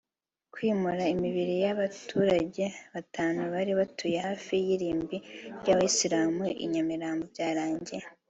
Kwimura imibiri n’abaturage batanu bari batuye hafi y’irimbi ry’abayisilamu I Nyambirambo byarangiye